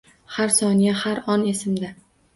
Har soniya, har on esimda.